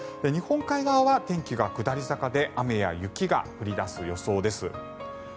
日本海側は天気が下り坂で雨や雪が降り出す予想です。